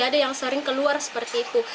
ada yang sering keluar seperti itu